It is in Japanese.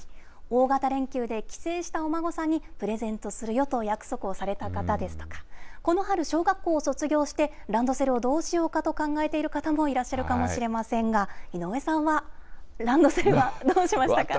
大型連休で帰省したお孫さんにプレゼントするよと約束をされた方ですとか、この春、小学校を卒業して、ランドセルをどうしようかと考えている方もいらっしゃるかもしれませんが、井上さんは、ランドセルはどうしましたか？